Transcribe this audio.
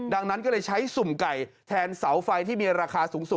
ดังนั้นก็เลยใช้สุ่มไก่แทนเสาไฟที่มีราคาสูงสุด